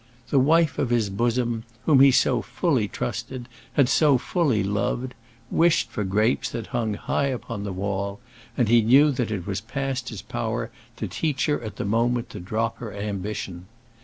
The wife of his bosom, whom he so fully trusted had so fully loved wished for grapes that hung high upon the wall, and he knew that it was past his power to teach her at the moment to drop her ambition.